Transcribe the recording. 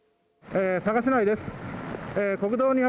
佐賀市内です。